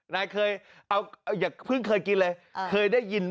นายเคยเอาอย่าเพิ่งเคยกินเลยเคยได้ยิน